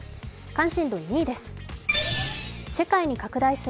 関心度２位です。